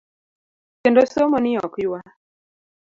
Kendo somo ni ok ywa .